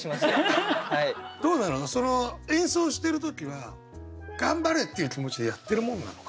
演奏してる時は「頑張れ！」っていう気持ちでやってるもんなのかね？